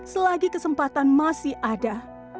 selagi kesempatan masih ada